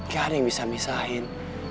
gak ada yang bisa misahin